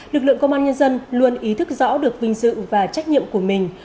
lực lượng công an nhân dân luôn ý thức rõ được vinh dự và trách nhiệm của mình